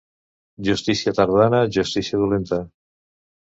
Justícia tardana, justícia dolenta.